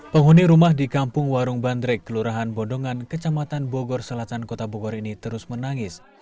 penghuni rumah di kampung warung bandrek kelurahan bondongan kecamatan bogor selatan kota bogor ini terus menangis